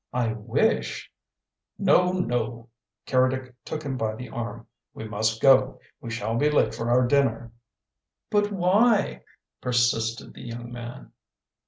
"I wish " "No, no!" Keredec took him by the arm. "We must go. We shall be late for our dinner." "But why?" persisted the young man.